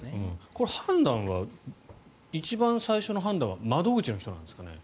これ、一番最初の判断は窓口の人なんですかね？